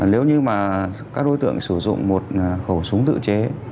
nếu như mà các đối tượng sử dụng một khẩu súng tự chế